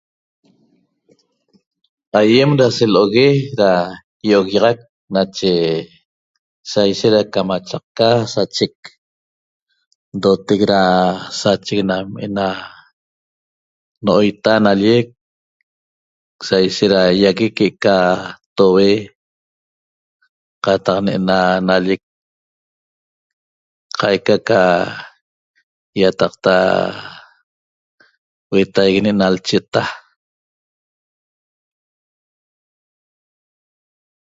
Aýem da selo'ogue da ýioguiaxac nache sa ishet da camachaqca sachec ndotec da sachec nam ne'ena no'oita nallec sa ishet da ýaguec que'eca toue qataq ne'ena nallec qaica ca ýataqta huetaigui ne'ena l'cheta